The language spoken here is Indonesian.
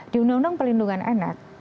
di undang undang pelindungan anak